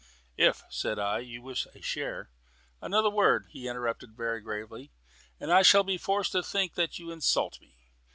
"If," said I, "you wish a share " "Another word," he interrupted very gravely, "and I shall be forced to think that you insult me.